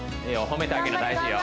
褒めてあげるの大事よ